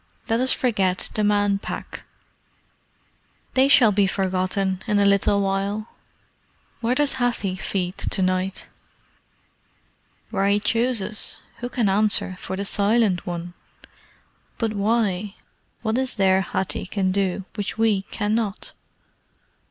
Let us forget the Man Pack." "They shall be forgotten in a little while. Where does Hathi feed to night?" "Where he chooses. Who can answer for the Silent One? But why? What is there Hathi can do which we cannot?"